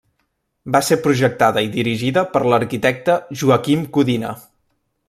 Va ser projectada i dirigida per l'arquitecte Joaquim Codina.